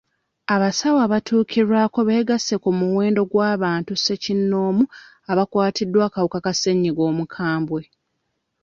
Abasawo abatuukirwako beegasse ku muwendo gw'abantu ssekinnoomu abaakwatibwa akawuka ka ssennyiga omukambwe.